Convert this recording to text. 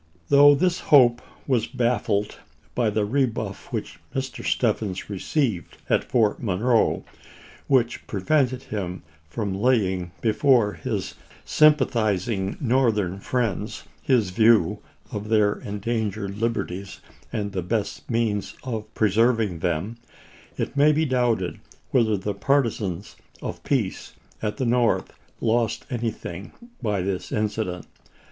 Though this hope was baffled by the rebuff which Mr. Stephens received at Fort Monroe, which pre vented him from laying before his sympathizing Northern friends his view of their endangered liberties and the best means of preserving them, it may be doubted whether the partisans of peace at the North lost anything by this incident.